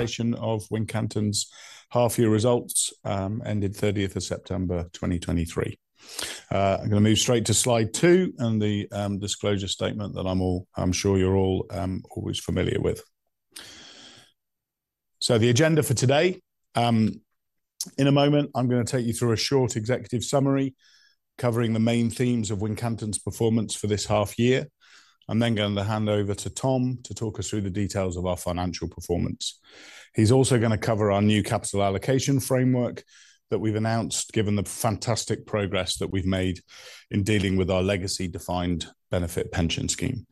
of Wincanton's half-year results ended 30th of September, 2023. I'm gonna move straight to slide two and the disclosure statement that I'm sure you're all always familiar with. So the agenda for today, in a moment, I'm gonna take you through a short executive summary covering the main themes of Wincanton's performance for this half year. I'm then going to hand over to Tom to talk us through the details of our financial performance. He's also gonna cover our new capital allocation framework that we've announced, given the fantastic progress that we've made in dealing with our legacy defined benefit pension scheme.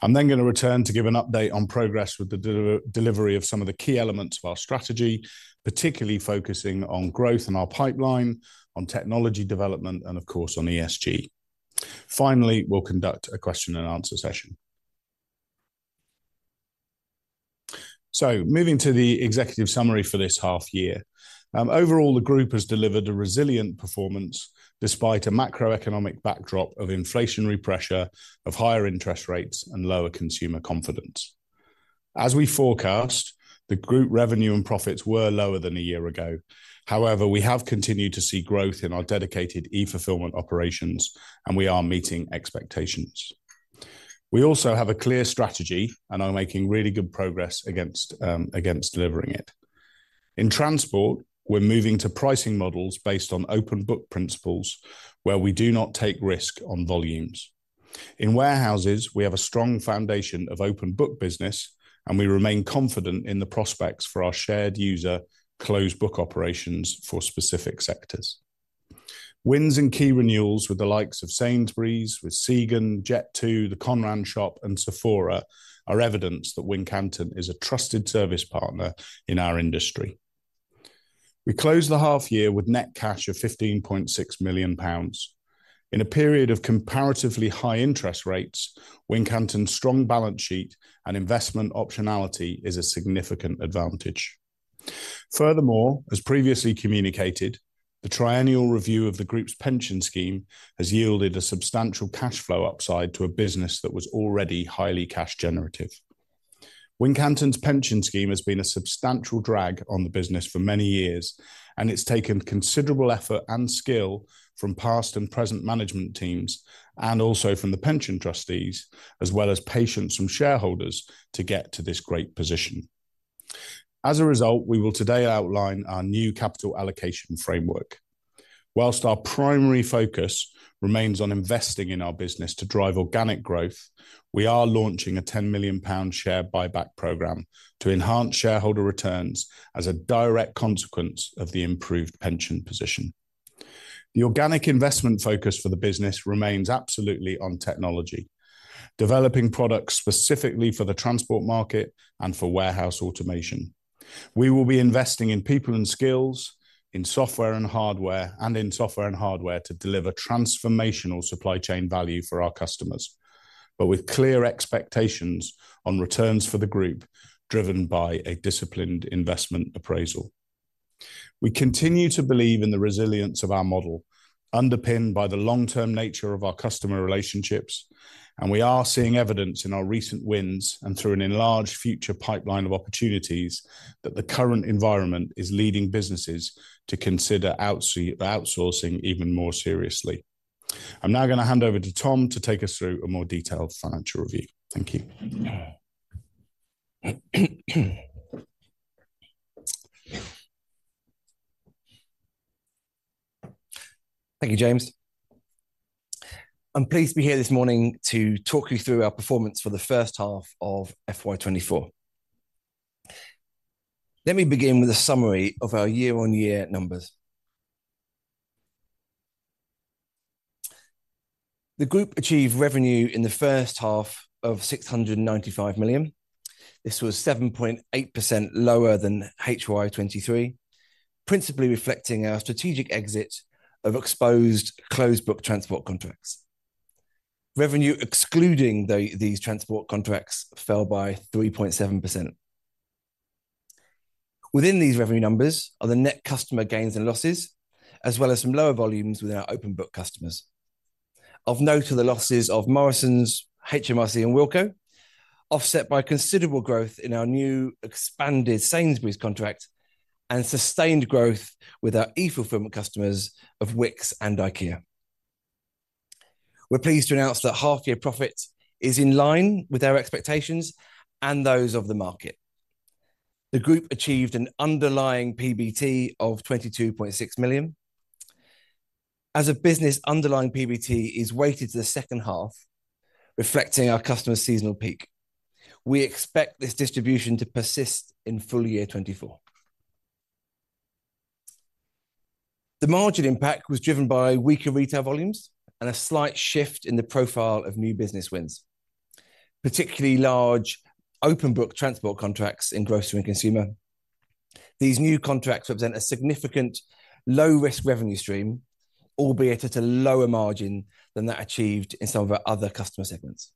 I'm then gonna return to give an update on progress with the delivery of some of the key elements of our strategy, particularly focusing on growth in our pipeline, on technology development, and of course, on ESG. Finally, we'll conduct a question and answer session. So moving to the executive summary for this half year. Overall, the group has delivered a resilient performance despite a macroeconomic backdrop of inflationary pressure, of higher interest rates, and lower consumer confidence. As we forecast, the group revenue and profits were lower than a year ago. However, we have continued to see growth in our dedicated e-fulfillment operations, and we are meeting expectations. We also have a clear strategy and are making really good progress against, against delivering it. In transport, we're moving to pricing models based on open book principles, where we do not take risk on volumes. In warehouses, we have a strong foundation of open book business, and we remain confident in the prospects for our shared user closed book operations for specific sectors. Wins and key renewals with the likes of Sainsbury's, with Segen, Jet2, The Conran Shop, and Sephora are evidence that Wincanton is a trusted service partner in our industry. We closed the half year with net cash of 15.6 million pounds. In a period of comparatively high interest rates, Wincanton's strong balance sheet and investment optionality is a significant advantage. Furthermore, as previously communicated, the triennial review of the group's pension scheme has yielded a substantial cash flow upside to a business that was already highly cash generative. Wincanton's pension scheme has been a substantial drag on the business for many years, and it's taken considerable effort and skill from past and present management teams, and also from the pension trustees, as well as patience from shareholders, to get to this great position. As a result, we will today outline our new capital allocation framework. While our primary focus remains on investing in our business to drive organic growth, we are launching a 10 million pound share buyback program to enhance shareholder returns as a direct consequence of the improved pension position. The organic investment focus for the business remains absolutely on technology, developing products specifically for the transport market and for warehouse automation. We will be investing in people and skills, in software and hardware, and in software and hardware to deliver transformational supply chain value for our customers, but with clear expectations on returns for the group, driven by a disciplined investment appraisal. We continue to believe in the resilience of our model, underpinned by the long-term nature of our customer relationships, and we are seeing evidence in our recent wins and through an enlarged future pipeline of opportunities, that the current environment is leading businesses to consider outsourcing even more seriously. I'm now gonna hand over to Tom to take us through a more detailed financial review. Thank you. Thank you, James. I'm pleased to be here this morning to talk you through our performance for the first half of FY 2024. Let me begin with a summary of our year-on-year numbers. The group achieved revenue in the first half of 695 million. This was 7.8% lower than HY 2023, principally reflecting our strategic exit of exposed closed book transport contracts. Revenue, excluding the, these transport contracts, fell by 3.7%. Within these revenue numbers are the net customer gains and losses, as well as some lower volumes with our open book customers. Of note are the losses of Morrisons, HMRC, and Wilko, offset by considerable growth in our new expanded Sainsbury's contract and sustained growth with our e-fulfillment customers of Wickes and IKEA. We're pleased to announce that half-year profit is in line with our expectations and those of the market. The group achieved an underlying PBT of 22.6 million. As a business, underlying PBT is weighted to the second half, reflecting our customer seasonal peak. We expect this distribution to persist in full year 2024. The margin impact was driven by weaker retail volumes and a slight shift in the profile of new business wins, particularly large open book transport contracts in grocery and consumer. These new contracts represent a significant low-risk revenue stream, albeit at a lower margin than that achieved in some of our other customer segments.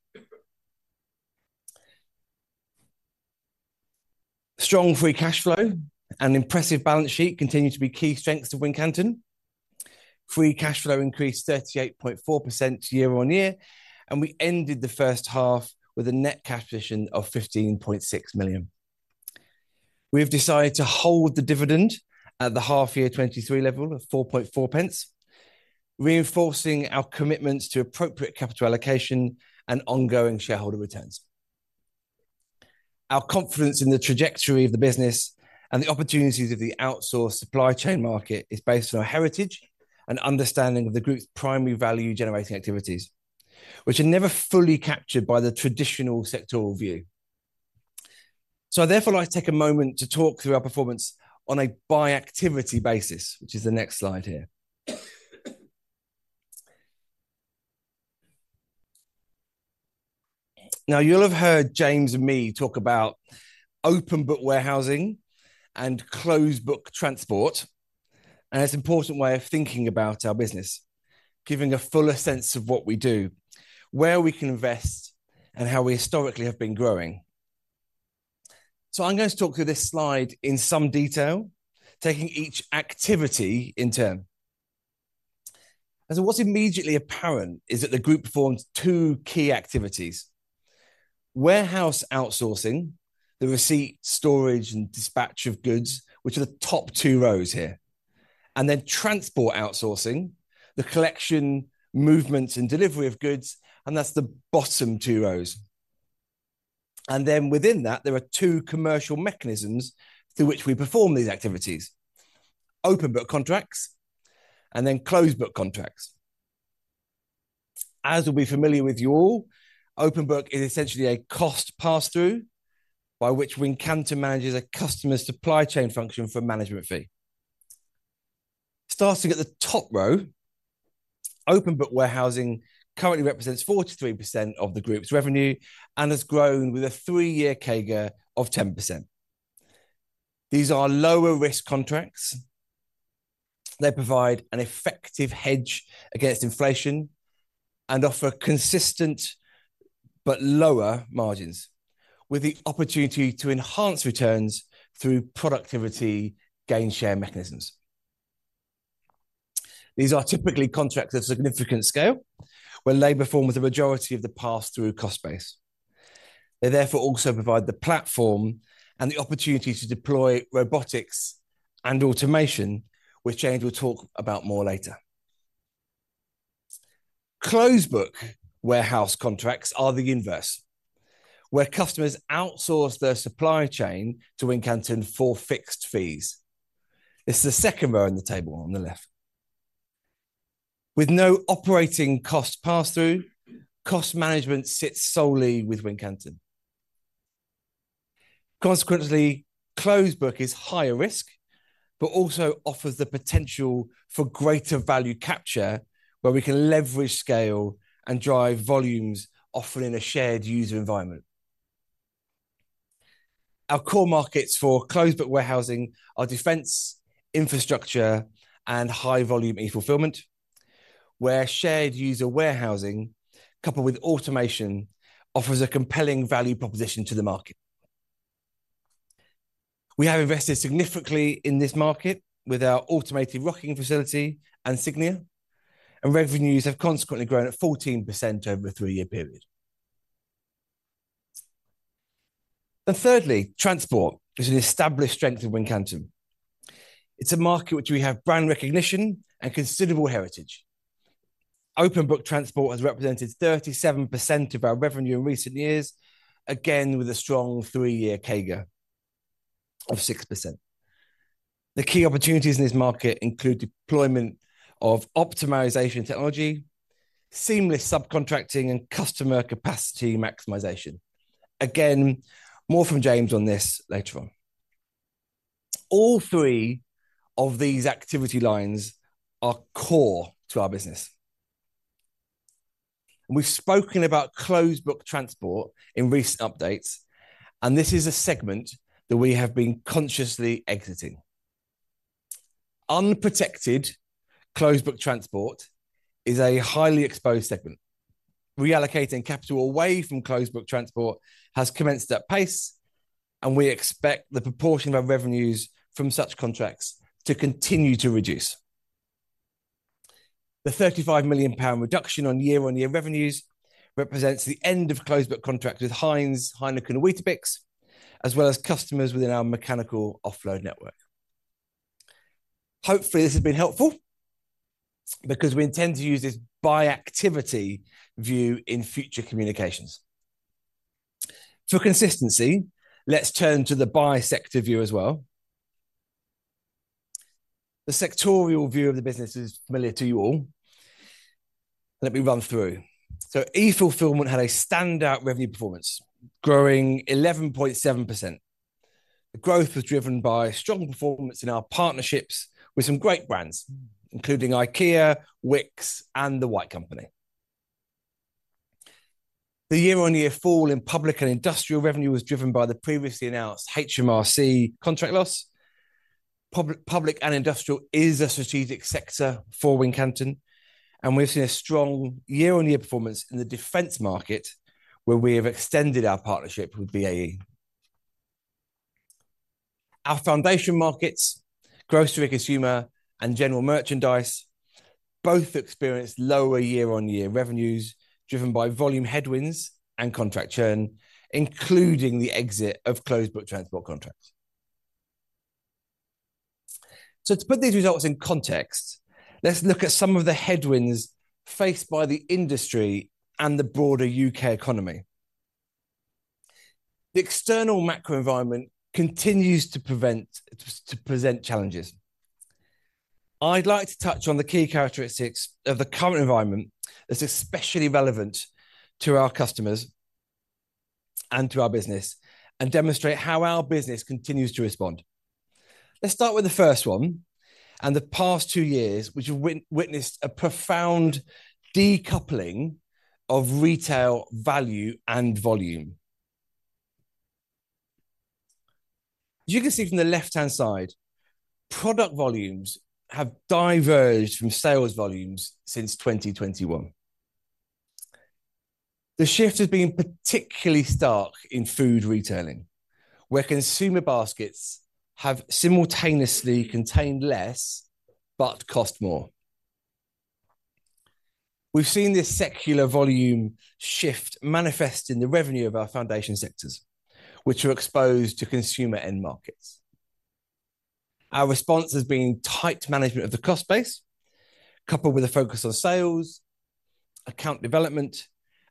Strong free cash flow and impressive balance sheet continue to be key strengths of Wincanton.... Free cash flow increased 38.4% year-on-year, and we ended the first half with a net cash position of 15.6 million. We have decided to hold the dividend at the half year 2023 level of 4.4 pence, reinforcing our commitments to appropriate capital allocation and ongoing shareholder returns. Our confidence in the trajectory of the business and the opportunities of the outsourced supply chain market is based on our heritage and understanding of the group's primary value generating activities, which are never fully captured by the traditional sectoral view. So I'd therefore like to take a moment to talk through our performance on a by-activity basis, which is the next slide here. Now, you'll have heard James and me talk about open book warehousing and closed book transport, and it's an important way of thinking about our business, giving a fuller sense of what we do, where we can invest, and how we historically have been growing. So I'm going to talk through this slide in some detail, taking each activity in turn. So what's immediately apparent is that the group performs two key activities: warehouse outsourcing, the receipt, storage, and dispatch of goods, which are the top two rows here, and then transport outsourcing, the collection, movement, and delivery of goods, and that's the bottom two rows. Then within that, there are two commercial mechanisms through which we perform these activities, open book contracts and then closed book contracts. As will be familiar with you all, open book is essentially a cost pass-through by which Wincanton manages a customer's supply chain function for management fee. Starting at the top row, open book warehousing currently represents 43% of the group's revenue and has grown with a three-year CAGR of 10%. These are lower risk contracts. They provide an effective hedge against inflation and offer consistent but lower margins, with the opportunity to enhance returns through productivity gain share mechanisms. These are typically contracts of significant scale, where labor form the majority of the pass-through cost base. They therefore also provide the platform and the opportunity to deploy robotics and automation, which James will talk about more later. Closed book warehouse contracts are the inverse, where customers outsource their supply chain to Wincanton for fixed fees. It's the second row in the table on the left. With no operating cost pass-through, cost management sits solely with Wincanton. Consequently, closed book is higher risk, but also offers the potential for greater value capture, where we can leverage scale and drive volumes, often in a shared user environment. Our core markets for closed book warehousing are defense, infrastructure, and high volume e-fulfillment, where shared user warehousing, coupled with automation, offers a compelling value proposition to the market. We have invested significantly in this market with our automated Rockingham facility and Cygnia, and revenues have consequently grown at 14% over a three-year period. Thirdly, transport is an established strength of Wincanton. It's a market which we have brand recognition and considerable heritage. Open book transport has represented 37% of our revenue in recent years, again, with a strong three-year CAGR of 6%. The key opportunities in this market include deployment of optimization technology, seamless subcontracting, and customer capacity maximization. Again, more from James on this later on. All three of these activity lines are core to our business. We've spoken about closed book transport in recent updates, and this is a segment that we have been consciously exiting. Unprotected closed book transport is a highly exposed segment. Reallocating capital away from closed book transport has commenced at pace, and we expect the proportion of our revenues from such contracts to continue to reduce. The 35 million pound reduction on year-on-year revenues represents the end of closed book contract with Heinz, Heineken, and Weetabix, as well as customers within our mechanical offload network. Hopefully, this has been helpful, because we intend to use this by activity view in future communications. For consistency, let's turn to the by sector view as well. The sectorial view of the business is familiar to you all. Let me run through. So e-fulfillment had a standout revenue performance, growing 11.7%. The growth was driven by strong performance in our partnerships with some great brands, including IKEA, Wickes, and The White Company. The year-on-year fall in public and industrial revenue was driven by the previously announced HMRC contract loss. Public and industrial is a strategic sector for Wincanton, and we've seen a strong year-on-year performance in the defense market, where we have extended our partnership with BAE. Our foundation markets, Grocery Consumer and General Merchandise, both experienced lower year-on-year revenues, driven by volume headwinds and contract churn, including the exit of closed book transport contracts. So to put these results in context, let's look at some of the headwinds faced by the industry and the broader UK economy. The external macro environment continues to present challenges. I'd like to touch on the key characteristics of the current environment that's especially relevant to our customers and to our business, and demonstrate how our business continues to respond. Let's start with the first one, and the past two years, which have witnessed a profound decoupling of retail value and volume. You can see from the left-hand side, product volumes have diverged from sales volumes since 2021. The shift has been particularly stark in food retailing, where consumer baskets have simultaneously contained less, but cost more. We've seen this secular volume shift manifest in the revenue of our foundation sectors, which are exposed to consumer end markets. Our response has been tight management of the cost base, coupled with a focus on sales, account development,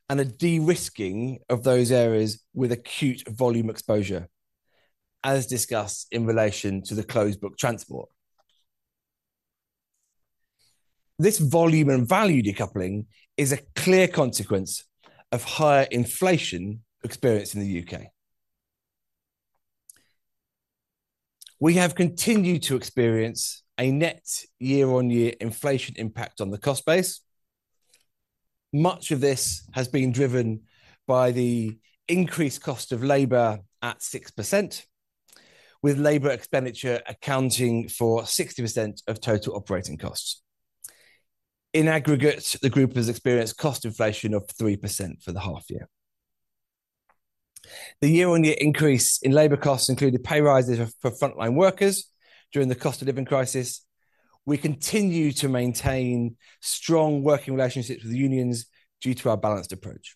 and a de-risking of those areas with acute volume exposure, as discussed in relation to the closed book transport. This volume and value decoupling is a clear consequence of higher inflation experienced in the UK. We have continued to experience a net year-on-year inflation impact on the cost base. Much of this has been driven by the increased cost of labor at 6%, with labor expenditure accounting for 60% of total operating costs. In aggregate, the group has experienced cost inflation of 3% for the half year. The year-on-year increase in labor costs included pay rises for frontline workers during the cost of living crisis. We continue to maintain strong working relationships with the unions due to our balanced approach.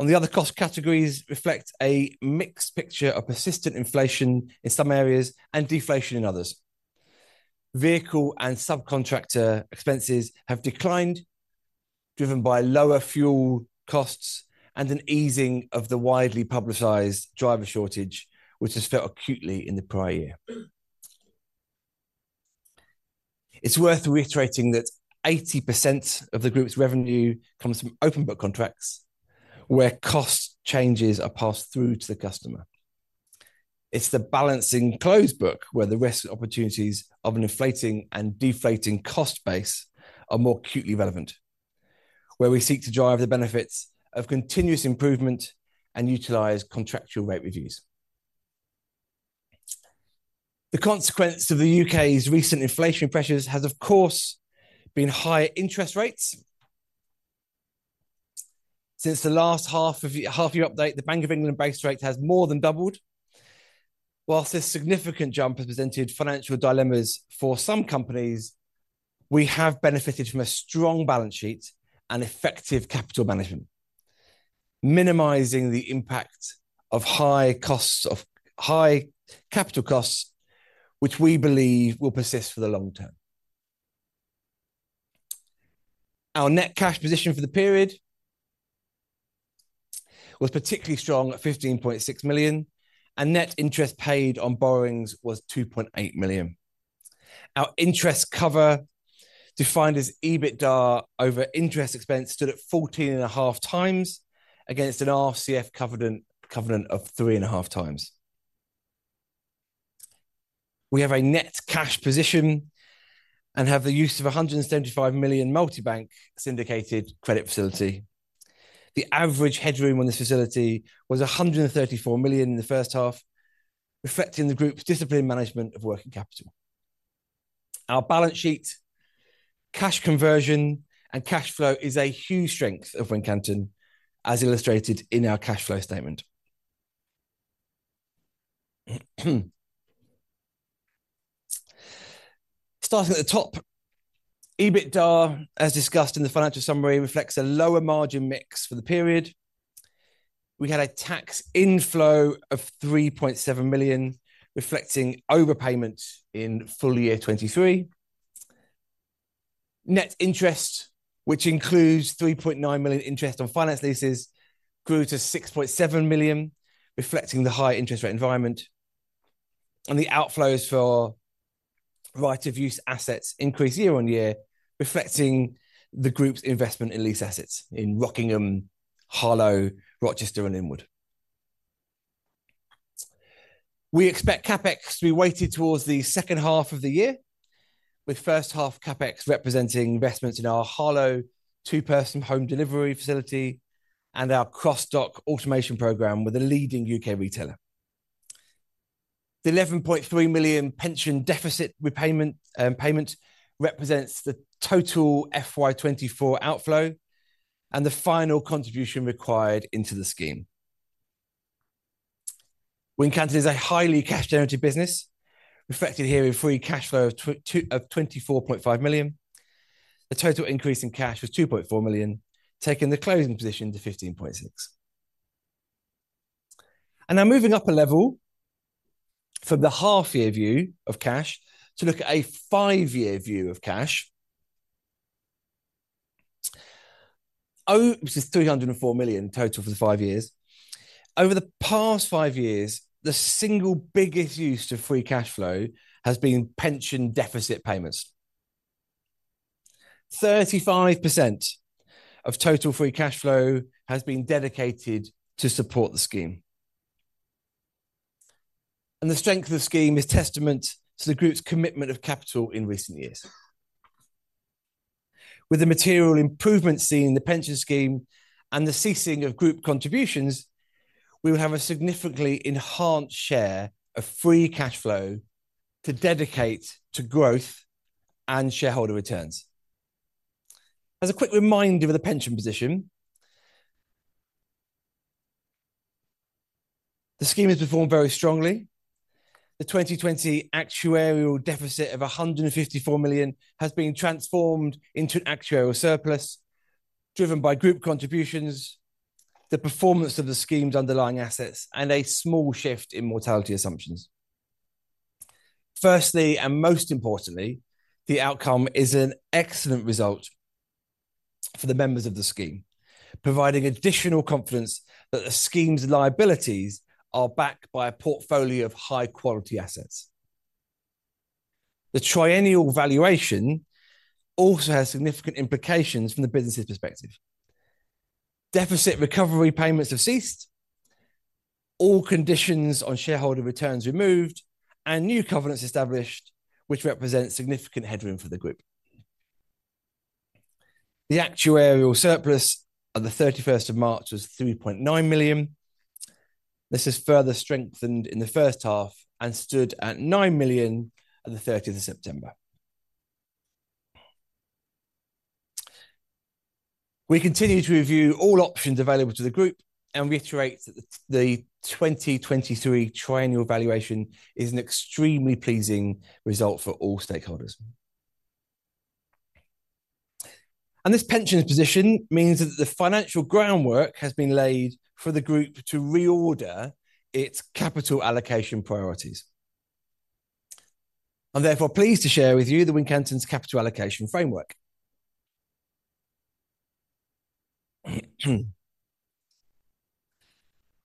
Other cost categories reflect a mixed picture of persistent inflation in some areas and deflation in others. Vehicle and subcontractor expenses have declined, driven by lower fuel costs and an easing of the widely publicized driver shortage, which was felt acutely in the prior year. It's worth reiterating that 80% of the group's revenue comes from open book contracts, where cost changes are passed through to the customer. It's the balancing closed book, where the risk opportunities of an inflating and deflating cost base are more acutely relevant, where we seek to drive the benefits of continuous improvement and utilize contractual rate reviews. The consequence of the UK's recent inflationary pressures has, of course, been higher interest rates. Since the last half-year update, the Bank of England base rate has more than doubled. While this significant jump has presented financial dilemmas for some companies, we have benefited from a strong balance sheet and effective capital management, minimizing the impact of high capital costs, which we believe will persist for the long term. Our net cash position for the period was particularly strong at 15.6 million, and net interest paid on borrowings was 2.8 million. Our interest cover, defined as EBITDA over interest expense, stood at 14.5 times against an RCF covenant of 3.5 times. We have a net cash position and have the use of a 175 million multi-bank syndicated credit facility. The average headroom on this facility was 134 million in the first half, reflecting the group's disciplined management of working capital. Our balance sheet, cash conversion, and cash flow is a huge strength of Wincanton, as illustrated in our cash flow statement. Starting at the top, EBITDA, as discussed in the financial summary, reflects a lower margin mix for the period. We had a tax inflow of 3.7 million, reflecting overpayments in full year 2023. Net interest, which includes 3.9 million interest on finance leases, grew to 6.7 million, reflecting the high interest rate environment. The outflows for right of use assets increased year-on-year, reflecting the group's investment in lease assets in Rockingham, Harlow, Rochester, and Linwood. We expect CapEx to be weighted towards the second half of the year, with first half CapEx representing investments in our Harlow two-person home delivery facility and our cross-dock automation program with a leading UK retailer. The 11.3 million pension deficit repayment payment represents the total FY 2024 outflow and the final contribution required into the scheme. Wincanton is a highly cash generative business, reflected here in free cash flow of 24.5 million. The total increase in cash was 2.4 million, taking the closing position to 15.6 million. Now moving up a level from the half year view of cash to look at a five-year view of cash. Oh, this is 304 million in total for the five years. Over the past five years, the single biggest use of free cash flow has been pension deficit payments. 35% of total free cash flow has been dedicated to support the scheme. The strength of the scheme is testament to the group's commitment of capital in recent years. With the material improvement seen in the pension scheme and the ceasing of group contributions, we will have a significantly enhanced share of free cash flow to dedicate to growth and shareholder returns. As a quick reminder of the pension position, the scheme has performed very strongly. The 2020 actuarial deficit of 154 million has been transformed into an actuarial surplus, driven by group contributions, the performance of the scheme's underlying assets, and a small shift in mortality assumptions. Firstly, and most importantly, the outcome is an excellent result for the members of the scheme, providing additional confidence that the scheme's liabilities are backed by a portfolio of high quality assets. The triennial valuation also has significant implications from the business's perspective. Deficit recovery payments have ceased, all conditions on shareholder returns removed, and new covenants established, which represents significant headroom for the group. The actuarial surplus on the 31st of March was 3.9 million. This is further strengthened in the first half and stood at 9 million on the 13th of September. We continue to review all options available to the Group and reiterate that the 2023 triennial valuation is an extremely pleasing result for all stakeholders. This pension position means that the financial groundwork has been laid for the group to reorder its capital allocation priorities. I'm therefore pleased to share with you the Wincanton's capital allocation framework. I'd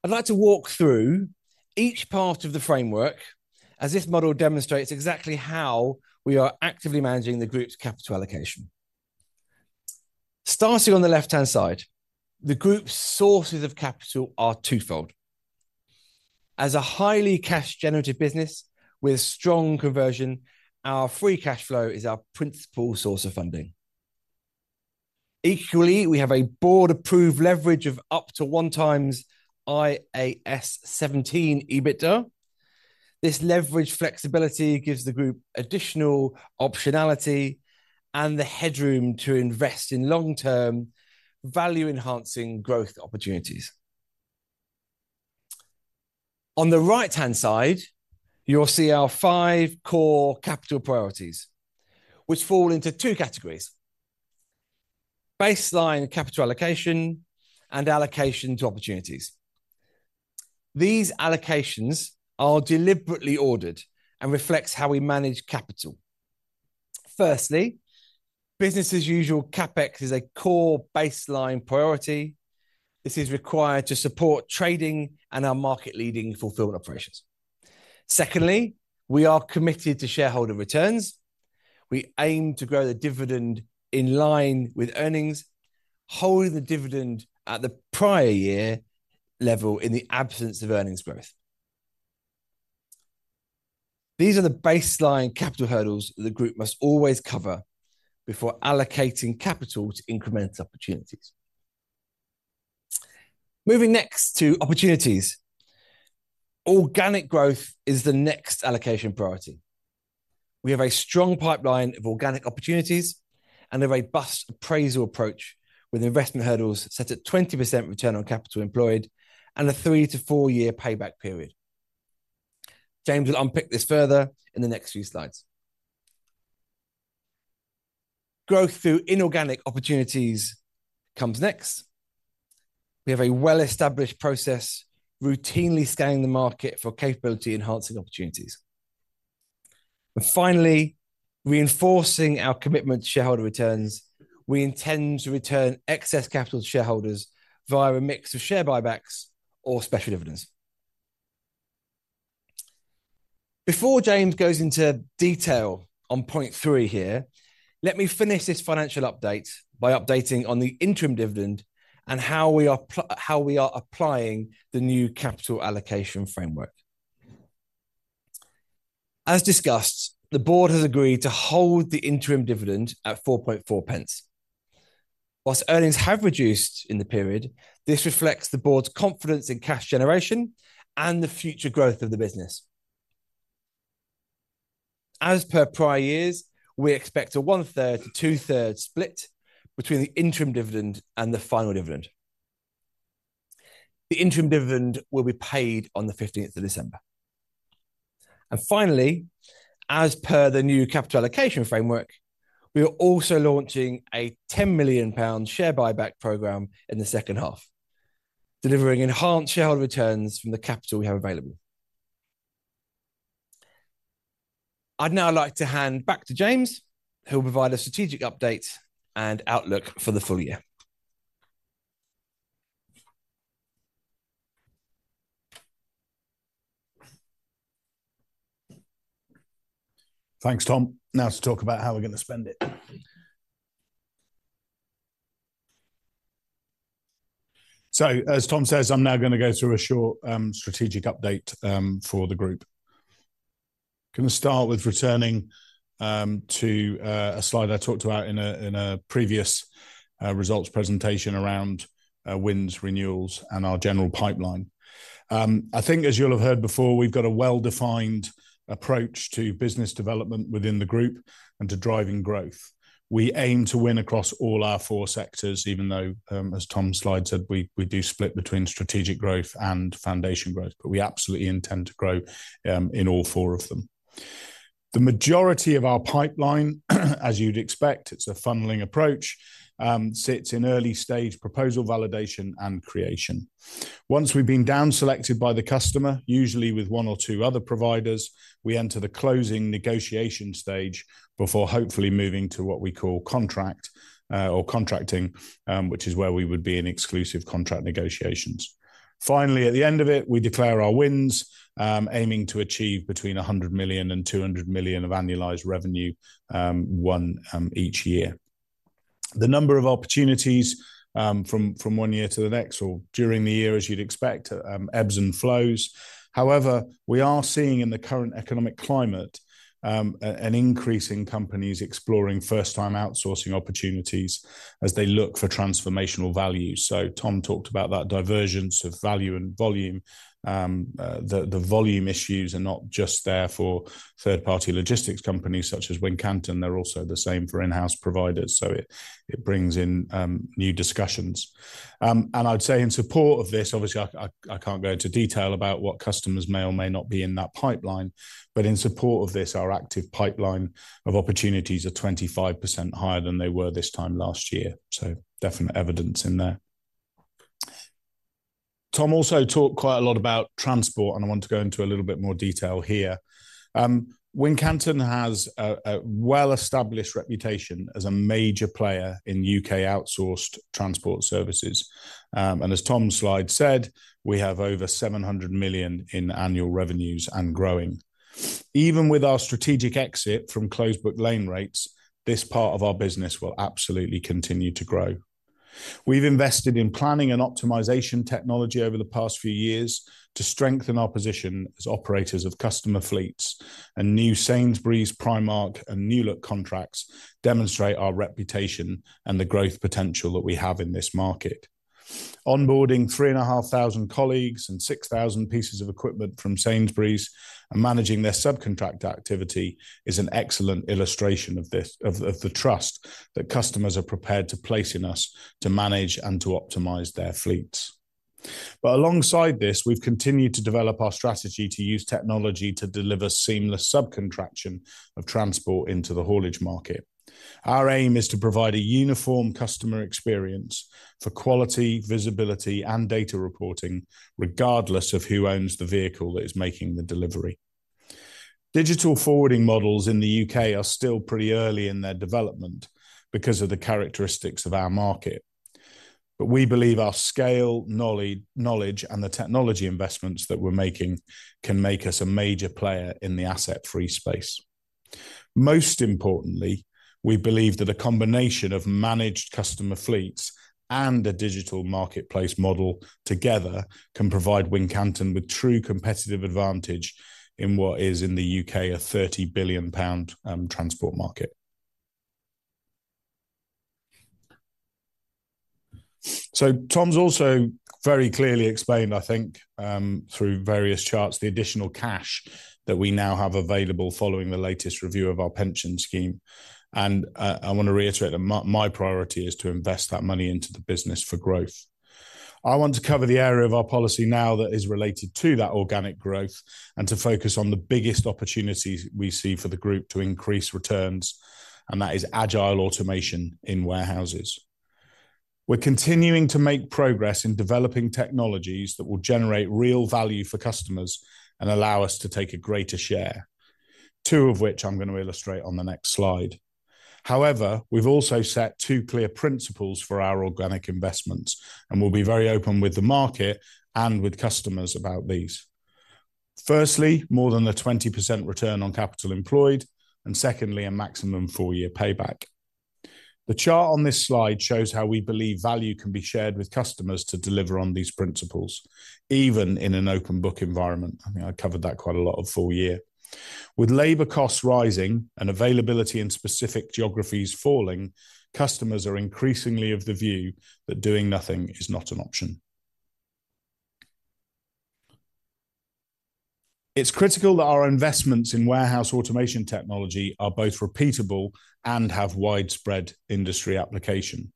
like to walk through each part of the framework, as this model demonstrates exactly how we are actively managing the group's capital allocation. Starting on the left-hand side, the group's sources of capital are twofold. As a highly cash generative business with strong conversion, our free cash flow is our principal source of funding. Equally, we have a board-approved leverage of up to 1x IAS 17 EBITDA. This leverage flexibility gives the group additional optionality and the headroom to invest in long-term, value-enhancing growth opportunities. On the right-hand side, you'll see our five core capital priorities, which fall into two categories: baseline capital allocation and allocation to opportunities. These allocations are deliberately ordered and reflects how we manage capital. Firstly, business as usual, CapEx is a core baseline priority. This is required to support trading and our market-leading fulfillment operations. Secondly, we are committed to shareholder returns. We aim to grow the dividend in line with earnings, holding the dividend at the prior year level in the absence of earnings growth. These are the baseline capital hurdles the group must always cover before allocating capital to incremental opportunities. Moving next to opportunities. Organic growth is the next allocation priority. We have a strong pipeline of organic opportunities and a robust appraisal approach, with investment hurdles set at 20% return on capital employed and a 3-4-year payback period. James will unpick this further in the next few slides. Growth through inorganic opportunities comes next. We have a well-established process, routinely scanning the market for capability enhancing opportunities. And finally, reinforcing our commitment to shareholder returns, we intend to return excess capital to shareholders via a mix of share buybacks or special dividends. Before James goes into detail on point three here, let me finish this financial update by updating on the interim dividend and how we are applying the new capital allocation framework. As discussed, the board has agreed to hold the interim dividend at 0.044. While earnings have reduced in the period, this reflects the board's confidence in cash generation and the future growth of the business. As per prior years, we expect a 1/3 to 2/3 split between the interim dividend and the final dividend. The interim dividend will be paid on the 15th of December. Finally, as per the new capital allocation framework, we are also launching a 10 million pound share buyback program in the second half, delivering enhanced shareholder returns from the capital we have available. I'd now like to hand back to James, who'll provide a strategic update and outlook for the full year. Thanks, Tom. Now to talk about how we're gonna spend it. So as Tom says, I'm now gonna go through a short strategic update for the group. Gonna start with returning to a slide I talked about in a previous results presentation around wins, renewals, and our general pipeline. I think as you'll have heard before, we've got a well-defined approach to business development within the group and to driving growth. We aim to win across all our four sectors, even though as Tom's slide said, we do split between strategic growth and foundation growth, but we absolutely intend to grow in all four of them. The majority of our pipeline, as you'd expect, it's a funneling approach, sits in early stage proposal, validation, and creation. Once we've been down selected by the customer, usually with one or two other providers, we enter the closing negotiation stage before hopefully moving to what we call contract or contracting, which is where we would be in exclusive contract negotiations. Finally, at the end of it, we declare our wins, aiming to achieve between 100 million and 200 million of annualized revenue each year. The number of opportunities from one year to the next or during the year, as you'd expect, ebbs and flows. However, we are seeing in the current economic climate an increase in companies exploring first-time outsourcing opportunities as they look for transformational value. So Tom talked about that divergence of value and volume. The volume issues are not just there for third-party logistics companies such as Wincanton; they're also the same for in-house providers, so it brings in new discussions. And I'd say in support of this, obviously, I can't go into detail about what customers may or may not be in that pipeline, but in support of this, our active pipeline of opportunities are 25% higher than they were this time last year, so definite evidence in there. Tom also talked quite a lot about transport, and I want to go into a little bit more detail here. Wincanton has a well-established reputation as a major player in U.K. outsourced transport services. As Tom's slide said, we have over 700 million in annual revenues and growing. Even with our strategic exit from closed book lane rates, this part of our business will absolutely continue to grow. We've invested in planning and optimization technology over the past few years to strengthen our position as operators of customer fleets, and new Sainsbury's, Primark, and New Look contracts demonstrate our reputation and the growth potential that we have in this market. Onboarding 3,500 colleagues and 6,000 pieces of equipment from Sainsbury's, and managing their subcontract activity, is an excellent illustration of this, of the trust that customers are prepared to place in us to manage and to optimize their fleets. But alongside this, we've continued to develop our strategy to use technology to deliver seamless subcontracting of transport into the haulage market. Our aim is to provide a uniform customer experience for quality, visibility, and data reporting, regardless of who owns the vehicle that is making the delivery. Digital forwarding models in the U.K. are still pretty early in their development because of the characteristics of our market. But we believe our scale, knowledge, and the technology investments that we're making can make us a major player in the asset-free space. Most importantly, we believe that a combination of managed customer fleets and a digital marketplace model together can provide Wincanton with true competitive advantage in what is, in the U.K., a 30 billion pound transport market. So Tom's also very clearly explained, I think, through various charts, the additional cash that we now have available following the latest review of our pension scheme, and I want to reiterate that my, my priority is to invest that money into the business for growth. I want to cover the area of our policy now that is related to that organic growth, and to focus on the biggest opportunities we see for the group to increase returns, and that is agile automation in warehouses. We're continuing to make progress in developing technologies that will generate real value for customers and allow us to take a greater share, two of which I'm gonna illustrate on the next slide. However, we've also set two clear principles for our organic investments, and we'll be very open with the market and with customers about these. Firstly, more than a 20% return on capital employed, and secondly, a maximum four-year payback. The chart on this slide shows how we believe value can be shared with customers to deliver on these principles, even in an open book environment. I mean, I covered that quite a lot of full year. With labor costs rising and availability in specific geographies falling, customers are increasingly of the view that doing nothing is not an option. It's critical that our investments in warehouse automation technology are both repeatable and have widespread industry application.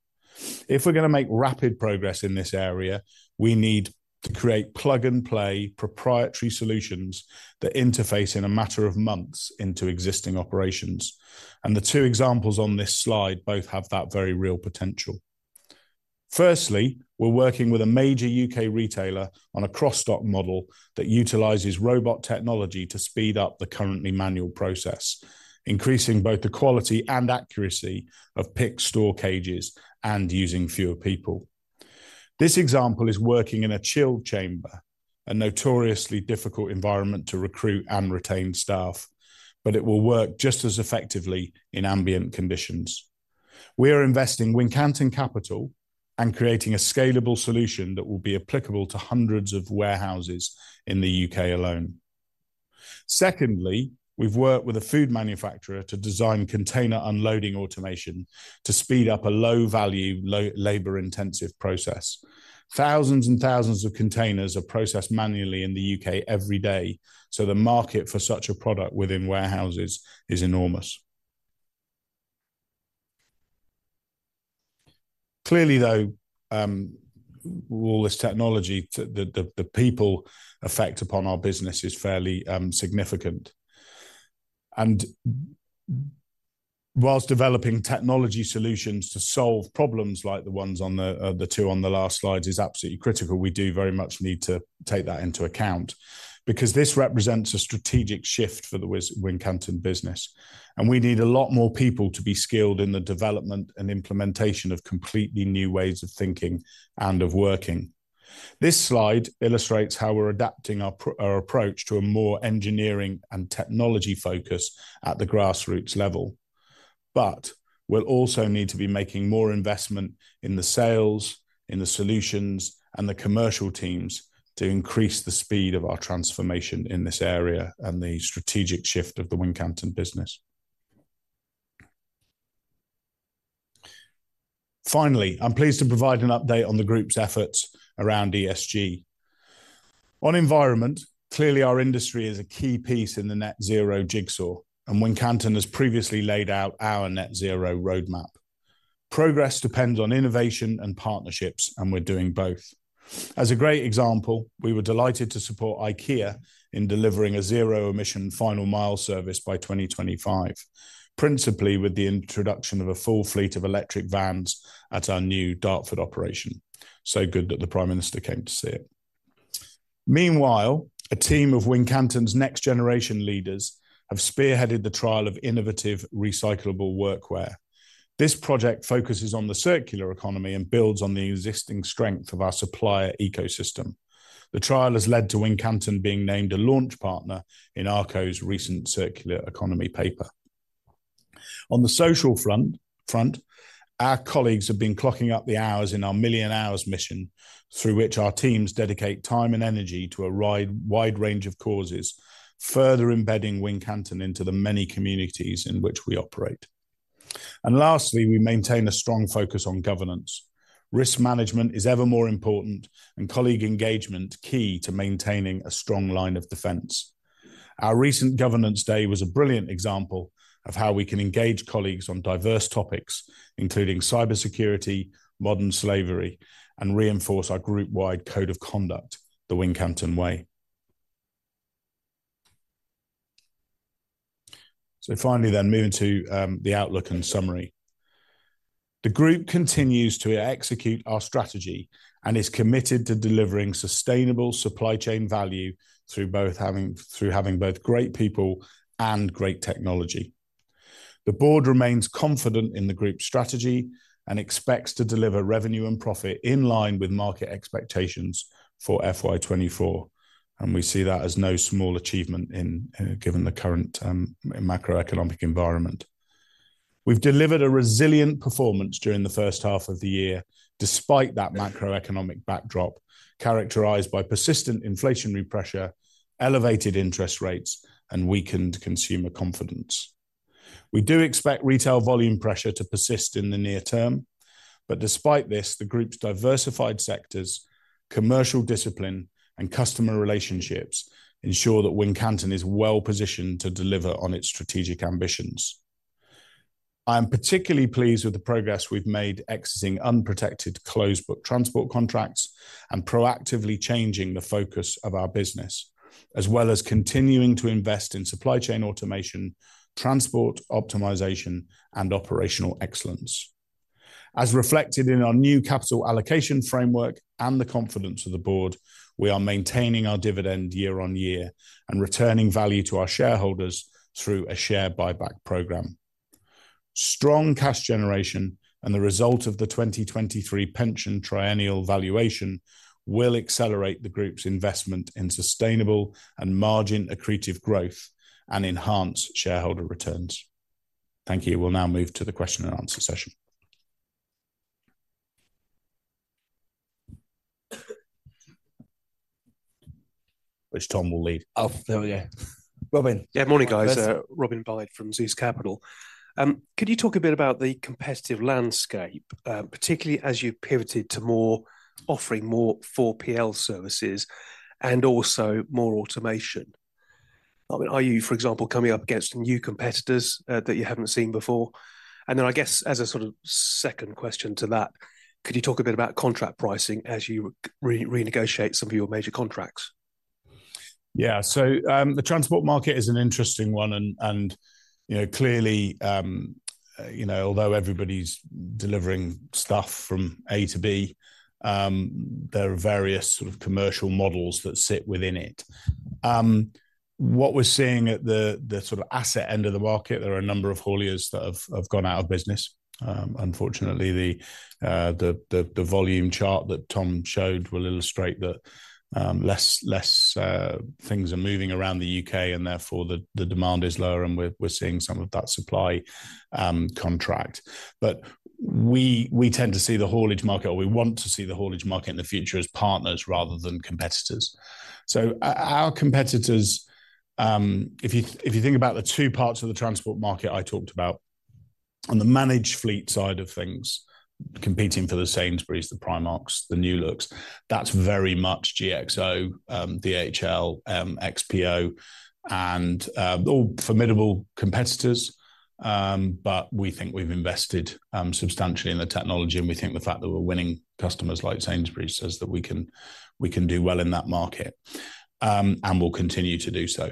If we're gonna make rapid progress in this area, we need to create plug-and-play proprietary solutions that interface in a matter of months into existing operations, and the two examples on this slide both have that very real potential. Firstly, we're working with a major UK retailer on a cross-dock model that utilizes robot technology to speed up the currently manual process, increasing both the quality and accuracy of pick store cages and using fewer people. This example is working in a chill chamber, a notoriously difficult environment to recruit and retain staff, but it will work just as effectively in ambient conditions. We are investing Wincanton capital and creating a scalable solution that will be applicable to hundreds of warehouses in the UK alone. Secondly, we've worked with a food manufacturer to design container unloading automation to speed up a low-value, labor-intensive process. Thousands and thousands of containers are processed manually in the UK every day, so the market for such a product within warehouses is enormous. Clearly, though, with all this technology, the people effect upon our business is fairly significant. While developing technology solutions to solve problems like the ones on the two on the last slide is absolutely critical, we do very much need to take that into account. Because this represents a strategic shift for the Wincanton business, and we need a lot more people to be skilled in the development and implementation of completely new ways of thinking and of working. This slide illustrates how we're adapting our approach to a more engineering and technology focus at the grassroots level. But we'll also need to be making more investment in the sales, in the solutions, and the commercial teams to increase the speed of our transformation in this area and the strategic shift of the Wincanton business. Finally, I'm pleased to provide an update on the group's efforts around ESG. On environment, clearly, our industry is a key piece in the Net Zero jigsaw, and Wincanton has previously laid out our Net Zero roadmap. Progress depends on innovation and partnerships, and we're doing both. As a great example, we were delighted to support IKEA in delivering a zero-emission final mile service by 2025, principally with the introduction of a full fleet of electric vans at our new Dartford operation. So good that the Prime Minister came to see it. Meanwhile, a team of Wincanton's next-generation leaders have spearheaded the trial of innovative recyclable workwear. This project focuses on the circular economy and builds on the existing strength of our supplier ecosystem. The trial has led to Wincanton being named a launch partner in Arco's recent circular economy paper. On the social front, our colleagues have been clocking up the hours in our Million Hours Mission, through which our teams dedicate time and energy to a wide range of causes, further embedding Wincanton into the many communities in which we operate. And lastly, we maintain a strong focus on governance. Risk management is ever more important, and colleague engagement, key to maintaining a strong line of defense. Our recent governance day was a brilliant example of how we can engage colleagues on diverse topics, including cybersecurity, modern slavery, and reinforce our group-wide code of conduct, the Wincanton Way. So finally, then, moving to the outlook and summary. The group continues to execute our strategy and is committed to delivering sustainable supply chain value through having both great people and great technology. The board remains confident in the group's strategy and expects to deliver revenue and profit in line with market expectations for FY 2024, and we see that as no small achievement in given the current macroeconomic environment. We've delivered a resilient performance during the first half of the year, despite that macroeconomic backdrop, characterized by persistent inflationary pressure, elevated interest rates, and weakened consumer confidence. We do expect retail volume pressure to persist in the near term, but despite this, the group's diversified sectors, commercial discipline, and customer relationships ensure that Wincanton is well positioned to deliver on its strategic ambitions. I am particularly pleased with the progress we've made exiting unprotected closed-book transport contracts and proactively changing the focus of our business, as well as continuing to invest in supply chain automation, transport optimization, and operational excellence. As reflected in our new capital allocation framework and the confidence of the board, we are maintaining our dividend year on year and returning value to our shareholders through a share buyback program. Strong cash generation and the result of the 2023 pension triennial valuation will accelerate the group's investment in sustainable and margin-accretive growth and enhance shareholder returns. Thank you. We'll now move to the question and answer session, which Tom will lead. Oh, there we go.... Robin. Yeah, morning, guys, Robin Byde from Zeus Capital. Could you talk a bit about the competitive landscape, particularly as you pivoted to more, offering more 4PL services and also more automation? I mean, are you, for example, coming up against new competitors, that you haven't seen before? And then I guess as a sort of second question to that, could you talk a bit about contract pricing as you re-renegotiate some of your major contracts? Yeah, so, the transport market is an interesting one and, you know, clearly, you know, although everybody's delivering stuff from A to B, there are various sort of commercial models that sit within it. What we're seeing at the sort of asset end of the market, there are a number of haulers that have gone out of business. Unfortunately, the volume chart that Tom showed will illustrate that, less things are moving around the UK, and therefore the demand is lower, and we're seeing some of that supply contract. But we tend to see the haulage market, or we want to see the haulage market in the future as partners rather than competitors. So our competitors, if you think about the two parts of the transport market I talked about, on the managed fleet side of things, competing for the Sainsbury's, the Primark, the New Look, that's very much GXO, DHL, XPO, and all formidable competitors. But we think we've invested substantially in the technology, and we think the fact that we're winning customers like Sainsbury's says that we can do well in that market, and will continue to do so.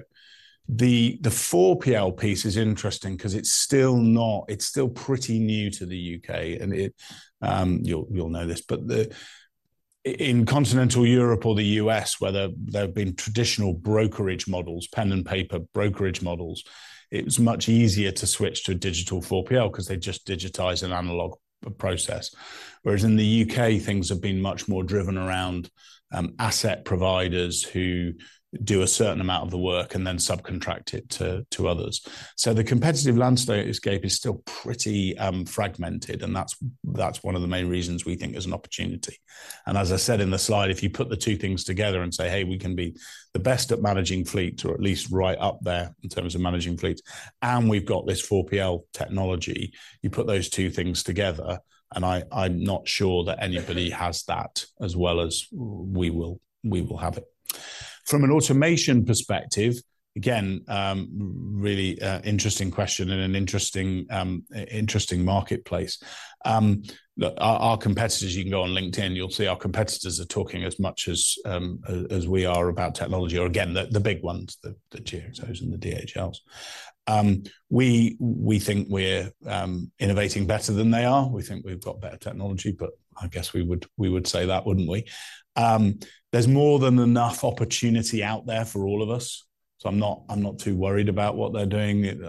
The 4PL piece is interesting 'cause it's still not... It's still pretty new to the UK, and it, you'll know this, but in continental Europe or the US, where there have been traditional brokerage models, pen and paper brokerage models, it's much easier to switch to a digital 4PL 'cause they just digitize an analog process. Whereas in the UK, things have been much more driven around asset providers who do a certain amount of the work and then subcontract it to others. So the competitive landscape is still pretty fragmented, and that's one of the main reasons we think there's an opportunity. And as I said in the slide, if you put the two things together and say, "Hey, we can be the best at managing fleet, or at least right up there in terms of managing fleet, and we've got this 4PL technology," you put those two things together, and I, I'm not sure that anybody has that as well as we will, we will have it. From an automation perspective, again, really, an interesting question and an interesting marketplace. Our competitors, you can go on LinkedIn, you'll see our competitors are talking as much as, as we are about technology, or again, the big ones, the GXOs and the DHLs. We think we're innovating better than they are. We think we've got better technology, but I guess we would say that, wouldn't we? There's more than enough opportunity out there for all of us, so I'm not, I'm not too worried about what they're doing,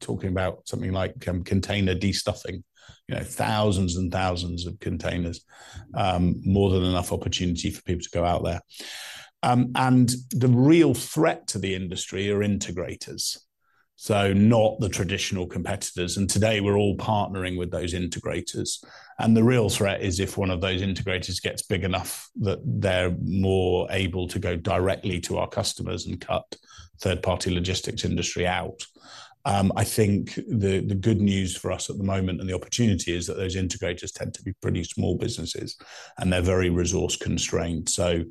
talking about something like, container de-stuffing, you know, thousands and thousands of containers, more than enough opportunity for people to go out there. And the real threat to the industry are integrators, so not the traditional competitors, and today we're all partnering with those integrators. And the real threat is if one of those integrators gets big enough that they're more able to go directly to our customers and cut third-party logistics industry out. I think the, the good news for us at the moment, and the opportunity, is that those integrators tend to be pretty small businesses, and they're very resource-constrained. So,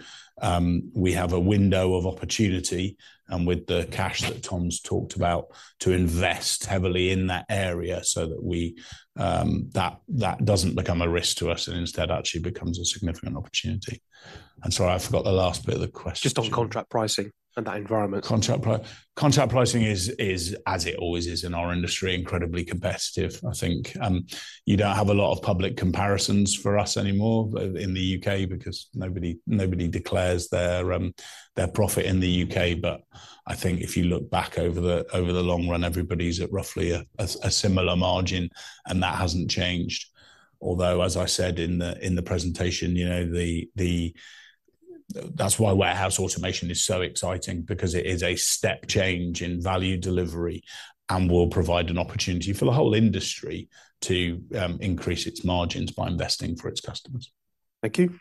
we have a window of opportunity, and with the cash that Tom's talked about, to invest heavily in that area so that we, that doesn't become a risk to us and instead actually becomes a significant opportunity. I'm sorry, I forgot the last bit of the question. Just on contract pricing and that environment. Contract pricing is, as it always is in our industry, incredibly competitive, I think. You don't have a lot of public comparisons for us anymore in the U.K. because nobody declares their profit in the U.K. But I think if you look back over the long run, everybody's at roughly a similar margin, and that hasn't changed. Although, as I said in the presentation, you know. That's why warehouse automation is so exciting, because it is a step change in value delivery and will provide an opportunity for the whole industry to increase its margins by investing for its customers. Thank you.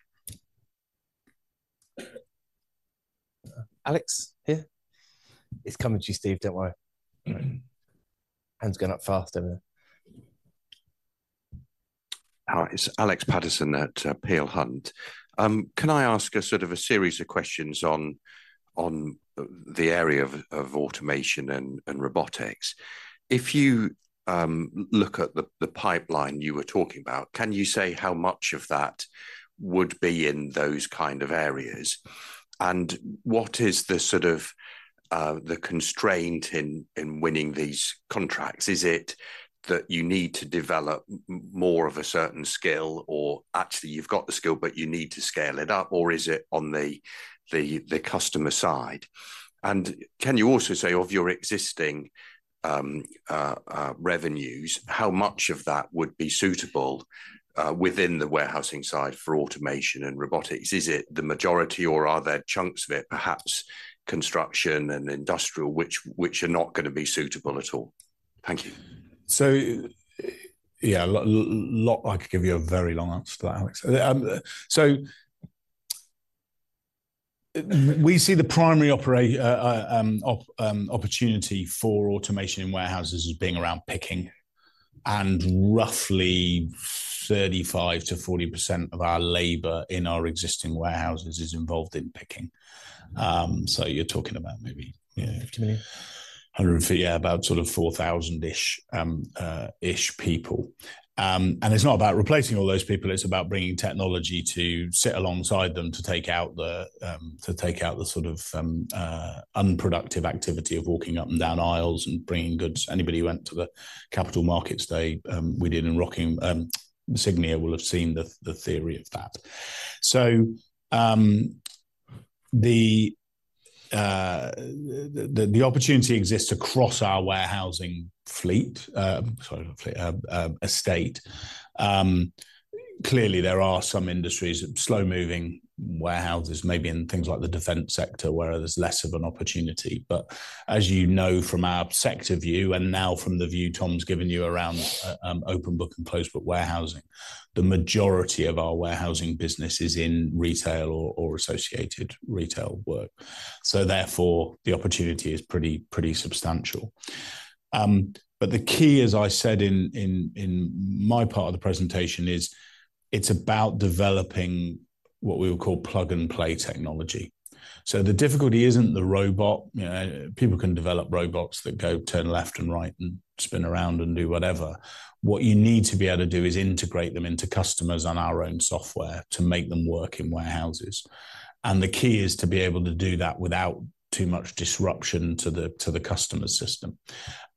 Alex, here. It's coming to you, Steve, don't worry. Mm-hmm. Hand's gone up faster than- Hi, it's Alex Paterson at Peel Hunt. Can I ask a sort of a series of questions on the area of automation and robotics? If you look at the pipeline you were talking about, can you say how much of that would be in those kind of areas? And what is the sort of the constraint in winning these contracts? Is it that you need to develop more of a certain skill, or actually you've got the skill, but you need to scale it up, or is it on the customer side? And can you also say, of your existing revenues, how much of that would be suitable within the warehousing side for automation and robotics? Is it the majority, or are there chunks of it, perhaps construction and industrial, which are not gonna be suitable at all? Thank you. So, yeah, I could give you a very long answer to that, Alex. We see the primary opportunity for automation in warehouses as being around picking, and roughly 35%-40% of our labor in our existing warehouses is involved in picking. So you're talking about maybe, yeah- Twenty. 100 feet, yeah, about sort of 4,000-ish people. And it's not about replacing all those people, it's about bringing technology to sit alongside them to take out the sort of unproductive activity of walking up and down aisles and bringing goods. Anybody who went to the capital markets day we did in Rockingham, Cygnia will have seen the theory of that. So the opportunity exists across our warehousing fleet, sorry, not fleet, estate. Clearly there are some industries, slow-moving warehouses, maybe in things like the defense sector, where there's less of an opportunity. But as you know from our sector view, and now from the view Tom's given you around open book and closed book warehousing, the majority of our warehousing business is in retail or associated retail work. So therefore, the opportunity is pretty substantial. But the key, as I said in my part of the presentation, is it's about developing what we would call plug and play technology. So the difficulty isn't the robot, you know, people can develop robots that go turn left and right and spin around and do whatever. What you need to be able to do is integrate them into customers on our own software to make them work in warehouses. And the key is to be able to do that without too much disruption to the customer's system.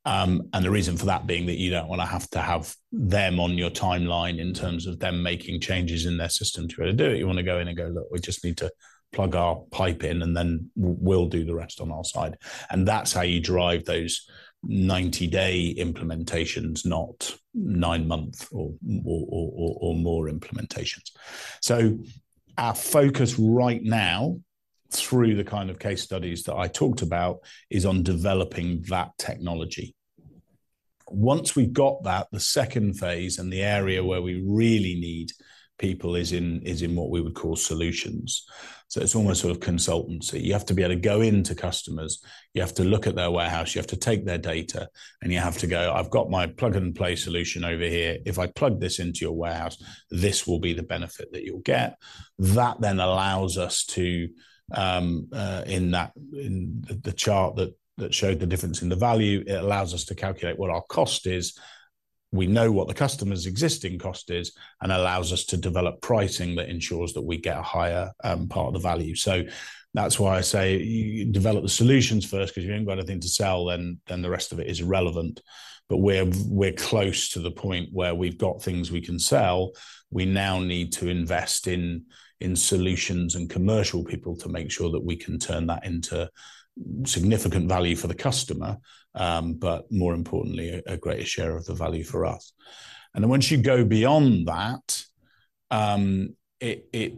and the reason for that being that you don't want to have to have them on your timeline in terms of them making changes in their system to be able to do it. You want to go in and go, "Look, we just need to plug our pipe in, and then we'll do the rest on our side." And that's how you drive those 90-day implementations, not nine-month or more implementations. So our focus right now, through the kind of case studies that I talked about, is on developing that technology. Once we've got that, the second phase, and the area where we really need people, is in what we would call solutions. So it's almost sort of consultancy. You have to be able to go into customers, you have to look at their warehouse, you have to take their data, and you have to go, "I've got my plug-and-play solution over here. If I plug this into your warehouse, this will be the benefit that you'll get." That then allows us to in the chart that showed the difference in the value, it allows us to calculate what our cost is. We know what the customer's existing cost is, and allows us to develop pricing that ensures that we get a higher part of the value. So that's why I say develop the solutions first, 'cause if you ain't got anything to sell, then the rest of it is irrelevant. But we're close to the point where we've got things we can sell. We now need to invest in solutions and commercial people to make sure that we can turn that into significant value for the customer, but more importantly, a greater share of the value for us. And once you go beyond that, it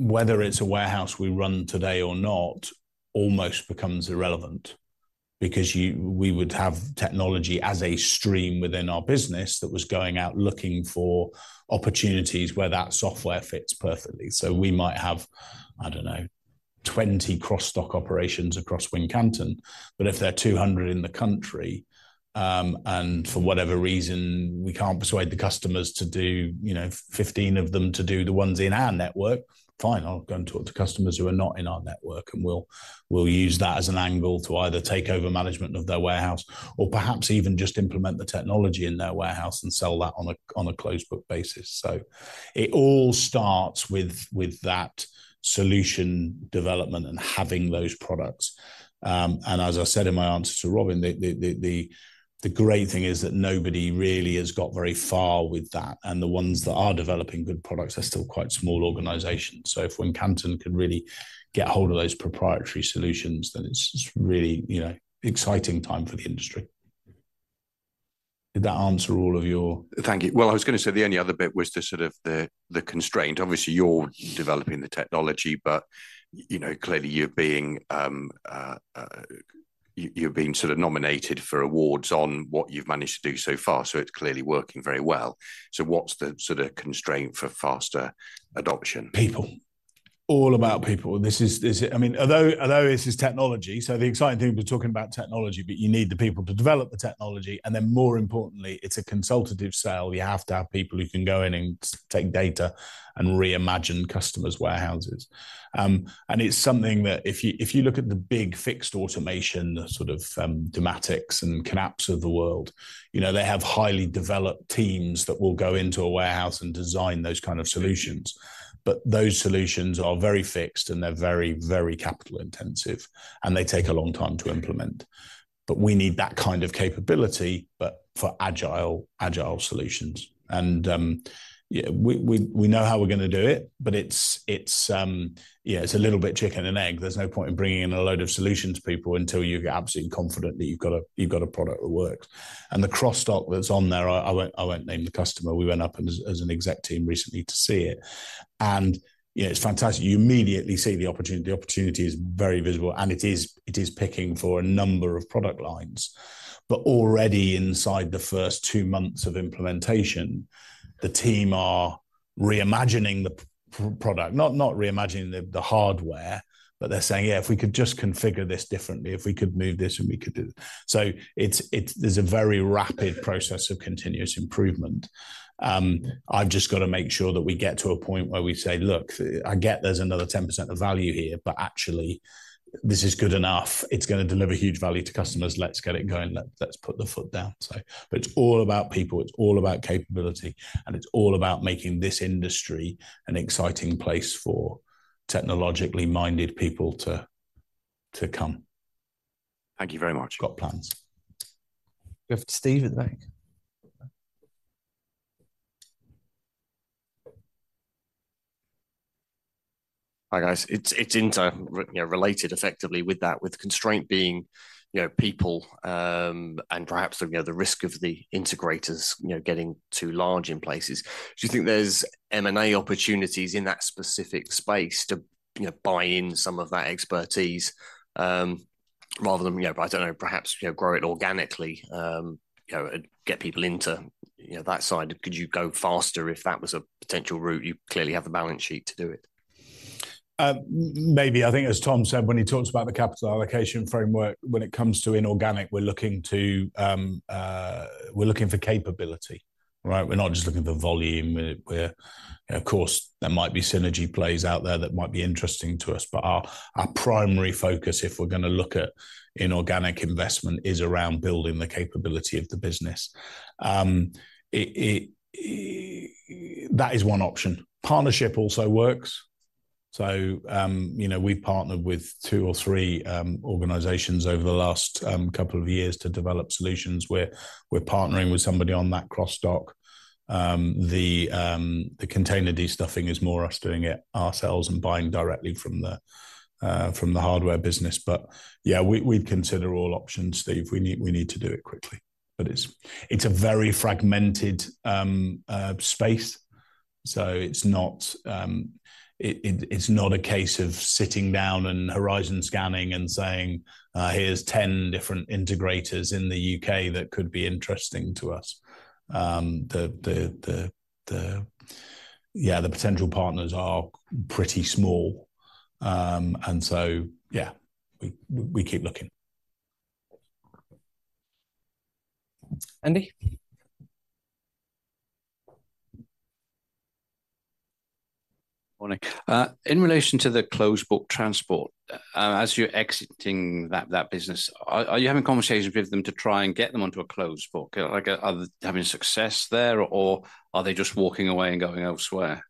whether it's a warehouse we run today or not, almost becomes irrelevant, because you, we would have technology as a stream within our business that was going out looking for opportunities where that software fits perfectly. So we might have, I don't know, 20 cross-dock operations across Wincanton, but if there are 200 in the country, and for whatever reason, we can't persuade the customers to do, you know, 15 of them to do the ones in our network, fine, I'll go and talk to customers who are not in our network, and we'll use that as an angle to either take over management of their warehouse, or perhaps even just implement the technology in their warehouse and sell that on a closed book basis. So it all starts with that solution development and having those products. And as I said in my answer to Robin, the great thing is that nobody really has got very far with that, and the ones that are developing good products are still quite small organizations. So if Wincanton can really get a hold of those proprietary solutions, then it's, it's really, you know, exciting time for the industry. Did that answer all of your- Thank you. Well, I was gonna say, the only other bit was the sort of constraint. Obviously, you're developing the technology, but, you know, clearly you've been sort of nominated for awards on what you've managed to do so far, so it's clearly working very well. So what's the sort of constraint for faster adoption? People. All about people. This is, I mean, although this is technology, so the exciting thing, we're talking about technology, but you need the people to develop the technology. And then more importantly, it's a consultative sale. You have to have people who can go in and take data and reimagine customers' warehouses. And it's something that if you, if you look at the big fixed automation, the sort of, Dematic and KNAPP of the world, you know, they have highly developed teams that will go into a warehouse and design those kind of solutions. But those solutions are very fixed, and they're very, very capital intensive, and they take a long time to implement. But we need that kind of capability, but for agile, agile solutions. Yeah, we know how we're gonna do it, but it's a little bit chicken and egg. There's no point in bringing in a load of solutions to people until you're absolutely confident that you've got a product that works. And the cross-dock that's on there, I won't name the customer. We went up as an exec team recently to see it, and you know, it's fantastic. You immediately see the opportunity. The opportunity is very visible, and it is picking for a number of product lines. But already inside the first two months of implementation, the team are-... Reimagining the product, not reimagining the hardware, but they're saying, "Yeah, if we could just configure this differently, if we could move this, and we could do..." So it's a very rapid process of continuous improvement. I've just got to make sure that we get to a point where we say, "Look, I get there's another 10% of value here, but actually this is good enough. It's gonna deliver huge value to customers, let's get it going. Let's put the foot down." But it's all about people, it's all about capability, and it's all about making this industry an exciting place for technologically-minded people to come. Thank you very much. Got plans. We have Steve at the back. Hi, guys. It's interrelated effectively with that, with constraint being, you know, people, and perhaps, you know, the risk of the integrators, you know, getting too large in places. Do you think there's M&A opportunities in that specific space to, you know, buy in some of that expertise, rather than, you know, I don't know, perhaps, you know, grow it organically, and get people into, you know, that side? Could you go faster if that was a potential route? You clearly have the balance sheet to do it. Maybe. I think, as Tom said, when he talks about the capital allocation framework, when it comes to inorganic, we're looking to, we're looking for capability, right? We're not just looking at the volume. We're... Of course, there might be synergy plays out there that might be interesting to us, but our primary focus, if we're gonna look at inorganic investment, is around building the capability of the business. That is one option. Partnership also works. So, you know, we've partnered with two or three organizations over the last couple of years to develop solutions where we're partnering with somebody on that cross-dock. The container destuffing is more us doing it ourselves and buying directly from the hardware business. But, yeah, we'd consider all options, Steve. We need to do it quickly. But it's a very fragmented space, so it's not a case of sitting down and horizon scanning and saying, "Here's 10 different integrators in the UK that could be interesting to us." The potential partners are pretty small. And so, yeah, we keep looking. Andy? Morning. In relation to the closed book transport, as you're exiting that, that business, are you having conversations with them to try and get them onto a closed book? Like, having success there, or are they just walking away and going elsewhere?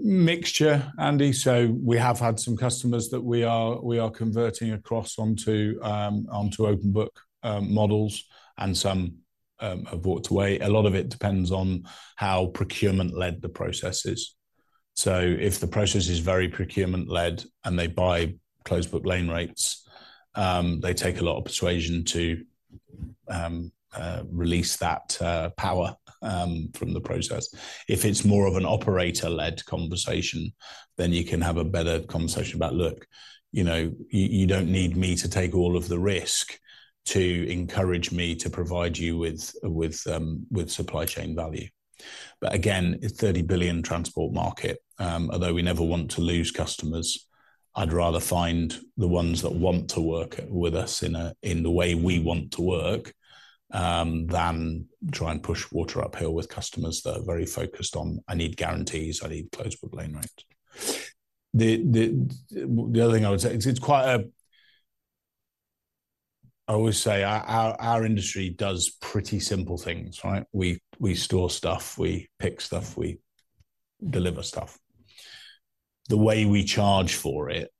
Mixture, Andy. So we have had some customers that we are converting across onto open book models, and some have walked away. A lot of it depends on how procurement-led the process is. So if the process is very procurement-led and they buy closed book lane rates, they take a lot of persuasion to release that power from the process. If it's more of an operator-led conversation, then you can have a better conversation about, "Look, you know, you, you don't need me to take all of the risk to encourage me to provide you with, with, with supply chain value." But again, a 30 billion transport market, although we never want to lose customers, I'd rather find the ones that want to work with us in the way we want to work, than try and push water uphill with customers that are very focused on, "I need guarantees, I need closed book lane rates." The other thing I would say, it's quite a... I always say our, our, our industry does pretty simple things, right? We, we store stuff, we pick stuff, we deliver stuff. The way we charge for it,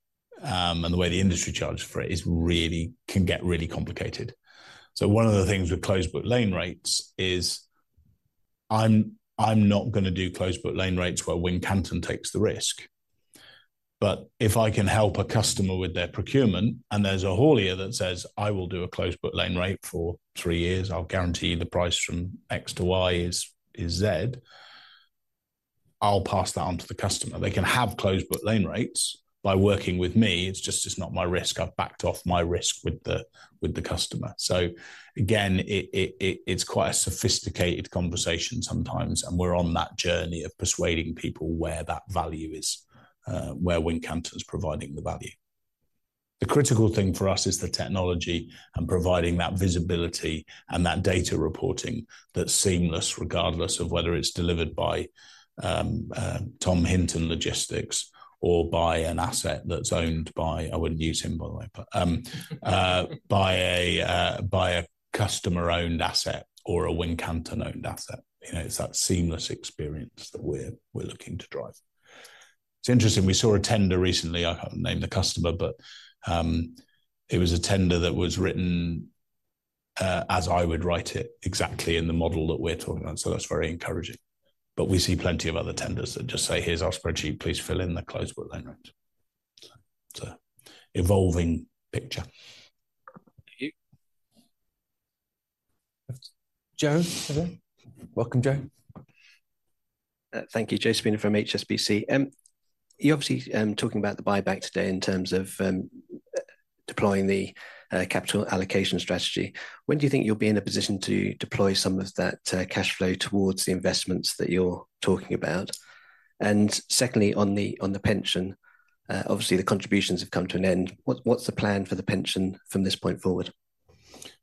and the way the industry charges for it, is really, can get really complicated. So one of the things with closed book lane rates is I'm not gonna do closed book lane rates where Wincanton takes the risk. But if I can help a customer with their procurement, and there's a haulier that says, "I will do a closed book lane rate for three years, I'll guarantee the price from X to Y is Z," I'll pass that on to the customer. They can have closed book lane rates by working with me, it's just not my risk. I've backed off my risk with the customer. So again, it's quite a sophisticated conversation sometimes, and we're on that journey of persuading people where that value is, where Wincanton's providing the value. The critical thing for us is the technology and providing that visibility and that data reporting that's seamless, regardless of whether it's delivered by Tom Hinton Logistics or by an asset that's owned by, I wouldn't use him, by the way, but by a customer-owned asset or a Wincanton-owned asset. You know, it's that seamless experience that we're looking to drive. It's interesting, we saw a tender recently, I can't name the customer, but it was a tender that was written as I would write it, exactly in the model that we're talking about, so that's very encouraging. But we see plenty of other tenders that just say, "Here's our spreadsheet, please fill in the closed book lane rates." So, it's an evolving picture. Thank you. Joe. Welcome, Joe. Thank you. Joe Sheehan from HSBC. You're obviously talking about the buyback today in terms of deploying the capital allocation strategy. When do you think you'll be in a position to deploy some of that cash flow towards the investments that you're talking about? And secondly, on the pension, obviously the contributions have come to an end. What's the plan for the pension from this point forward?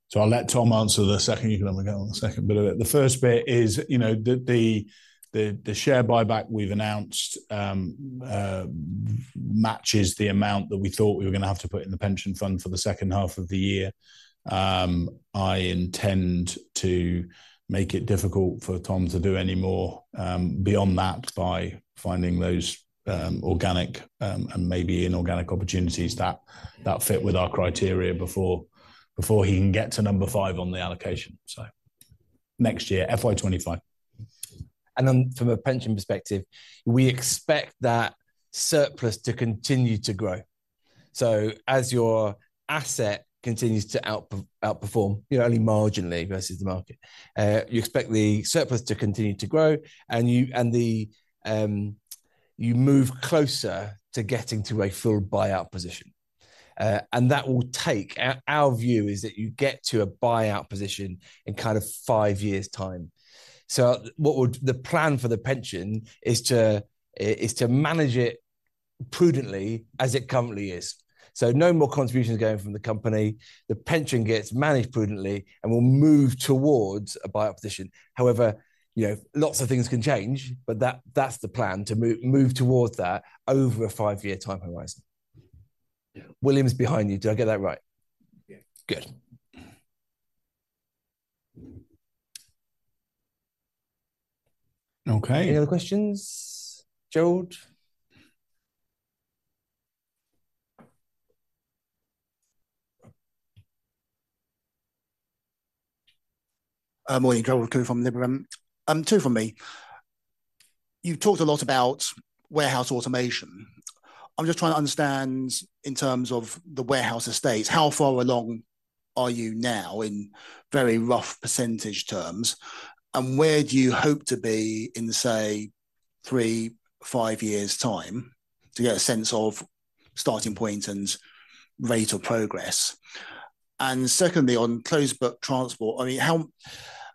So I'll let Tom answer the second, you can then go on the second bit of it. The first bit is, you know, the share buyback we've announced matches the amount that we thought we were gonna have to put in the pension fund for the second half of the year. I intend to make it difficult for Tom to do any more beyond that, by finding those organic and maybe inorganic opportunities that fit with our criteria before he can get to number 5 on the allocation. So next year, FY 25. And then from a pension perspective, we expect that surplus to continue to grow. So as your asset continues to outperform, you know, only marginally versus the market, you expect the surplus to continue to grow, and you move closer to getting to a full buyout position. And that will take... Our view is that you get to a buyout position in kind of five years' time. So the plan for the pension is to manage it prudently as it currently is. So no more contributions going from the company. The pension gets managed prudently, and we'll move towards a buyout position. However, you know, lots of things can change, but that's the plan, to move towards that over a five-year time horizon. Yeah. Williams behind you. Do I get that right? Yeah. Good. Okay. Any other questions? Gerald? Morning, Gerald Khoo from Liberum. Two from me. You've talked a lot about warehouse automation. I'm just trying to understand, in terms of the warehouse estates, how far along are you now, in very rough percentage terms, and where do you hope to be in, say, three, five years' time, to get a sense of starting point and rate of progress? And secondly, on closed book transport, I mean,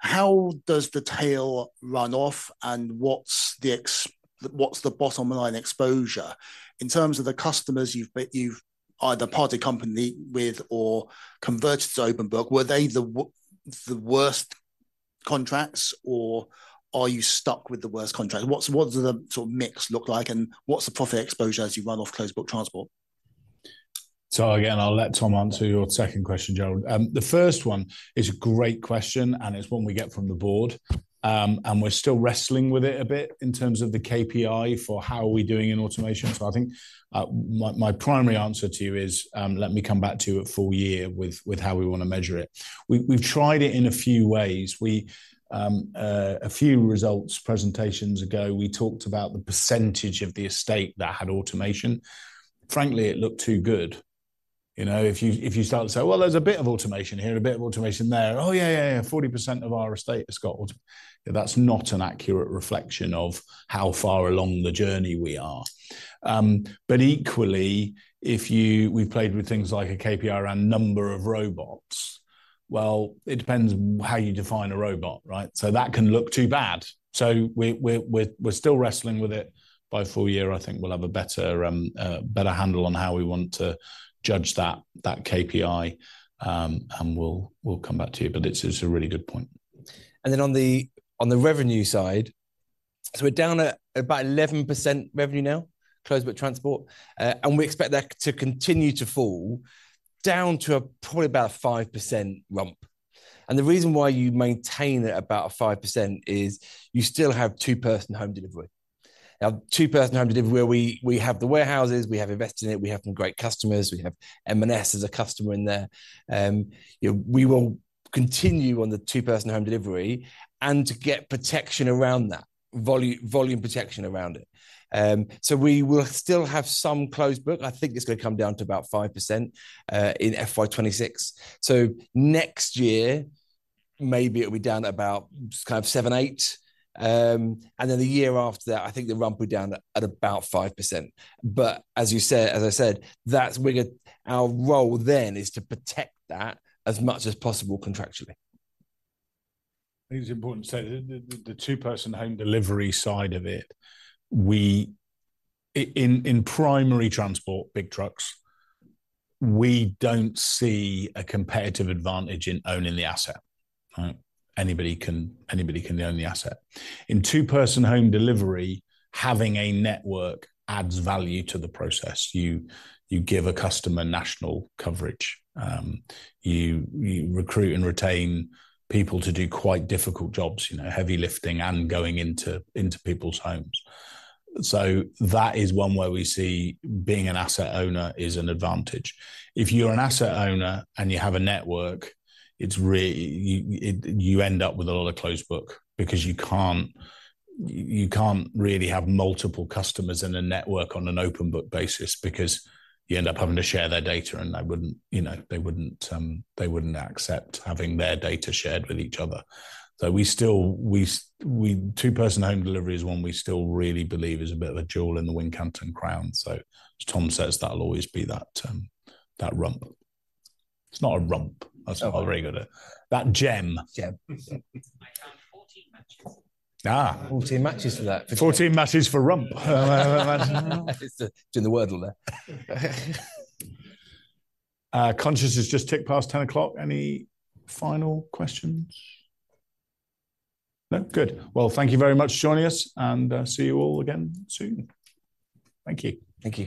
how does the tail run off, and what's the bottom line exposure? In terms of the customers you've either parted company with or converted to open book, were they the worst contracts, or are you stuck with the worst contracts? What does the sort of mix look like, and what's the profit exposure as you run off closed book transport? So again, I'll let Tom answer your second question, Gerald. The first one is a great question, and it's one we get from the board. And we're still wrestling with it a bit in terms of the KPI for how are we doing in automation. So I think my primary answer to you is, let me come back to you at full year with how we want to measure it. We've tried it in a few ways. A few results presentations ago, we talked about the percentage of the estate that had automation. Frankly, it looked too good. You know, if you start to say, "Well, there's a bit of automation here, a bit of automation there, oh, yeah, yeah, yeah, 40% of our estate has got automation," that's not an accurate reflection of how far along the journey we are. But equally, we've played with things like a KPI around number of robots, well, it depends how you define a robot, right? So that can look too bad. So we're still wrestling with it. By full year, I think we'll have a better handle on how we want to judge that KPI. And we'll come back to you, but it's a really good point. Then on the revenue side, so we're down at about 11% revenue now, closed book transport. And we expect that to continue to fall, down to probably about 5% rump. And the reason why you maintain at about a 5% is, you still have two-person home delivery. Now, two-person home delivery, where we have the warehouses, we have invested in it, we have some great customers, we have M&S as a customer in there. You know, we will continue on the two-person home delivery, and get protection around that, volume, volume protection around it. So we will still have some closed book. I think it's gonna come down to about 5%, in FY 2026. So next year, maybe it'll be down to about kind of 7-8. And then the year after that, I think the rump will be down at about 5%. But as you said, as I said, that's where our role then is to protect that as much as possible contractually. I think it's important to say that the two-person home delivery side of it, we in primary transport, big trucks, we don't see a competitive advantage in owning the asset, right? Anybody can, anybody can own the asset. In two-person home delivery, having a network adds value to the process. You give a customer national coverage. You recruit and retain people to do quite difficult jobs, you know, heavy lifting and going into people's homes. So that is one where we see being an asset owner is an advantage. If you're an asset owner and you have a network, you end up with a lot of closed book, because you can't really have multiple customers in a network on an open book basis, because you end up having to share their data, and they wouldn't, you know, they wouldn't accept having their data shared with each other. So we still two-person home delivery is one we still really believe is a bit of a jewel in the Wincanton crown. So as Tom says, that'll always be that rump. It's not a rump, that's not very good. That gem. Gem. I found 14 matches. Ah! 14 matches for that. 14 matches for rump. Doing the Wordle there. Conscious it's just ticked past 10 o'clock. Any final questions? No? Good. Well, thank you very much for joining us, and see you all again soon. Thank you. Thank you.